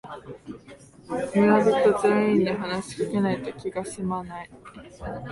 村人全員に話しかけないと気がすまない